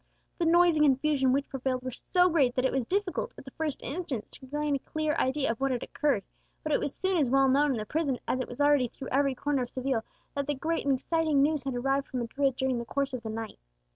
The noise and confusion which prevailed were so great that it was difficult at the first instant to gain a clear idea of what had occurred; but it was soon as well known in the prison as it was already through every corner of Seville, that great and exciting news had arrived from Madrid during the course of the night.